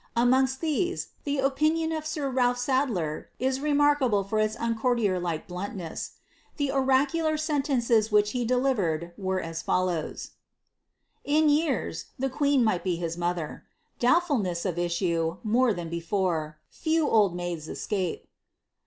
Amongst these, ihe opinion of sir Ralph Sadler is teniarkahle tor ila uncouriier like bluniness. The oraculo aeiiiedcea which he delivered, were as foilows :—" In years, ihc ijueen miglil be hia mother. DoublfiilnesB of issue, more than berore — fcw old maids escape."'